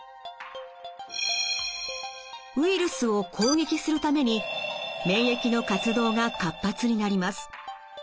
ウイルスを攻撃するために免疫の活動が活発になります。